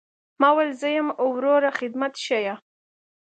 ما وويل زه يم وروه خدمت ښييه.